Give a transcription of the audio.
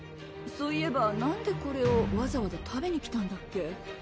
そういえばなんでこれをわざわざ食べに来たんだっけ？